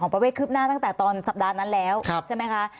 ประเวทคืบหน้าตั้งแต่ตอนสัปดาห์นั้นแล้วใช่ไหมคะ